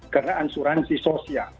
karena ansuransi sosial